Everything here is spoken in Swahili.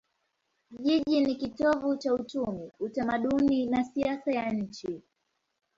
Jiji ni kitovu cha uchumi, utamaduni na siasa ya nchi.